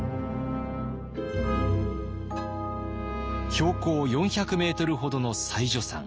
標高４００メートルほどの妻女山。